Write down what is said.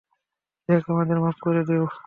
Jack, আমাকে মাফ করে দিও।